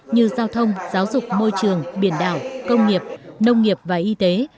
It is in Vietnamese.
như giao thông giáo dục môi trường biển đảo công nghiệp nông nghiệp và y tế